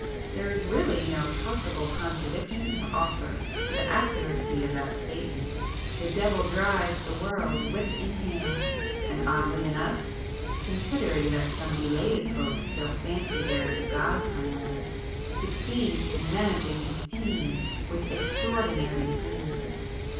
There is really no possible contradiction to offer to the accuracy of that statement. The devil drives the world, whip in hand,—and oddly enough, (considering that some belated folk still fancy there is a God somewhere) succeeds [p 24] in managing his team with extraordinary ease!"